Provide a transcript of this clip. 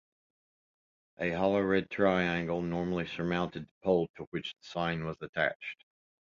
A hollow red triangle normally surmounted the pole to which the sign was attached.